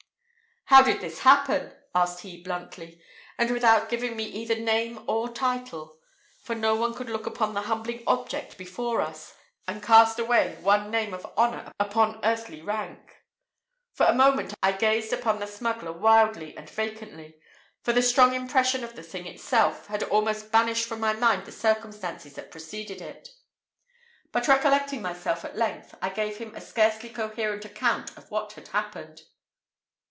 "How did this happen?" asked he bluntly, and without giving me either name or title; for no one could look upon the humbling object before us, and cast away one name of honour upon earthly rank. For a moment, I gazed upon the smuggler wildly and vacantly; for the strong impression of the thing itself had almost banished from my mind the circumstances that preceded it; but recollecting myself at length, I gave him a scarcely coherent account of what had happened.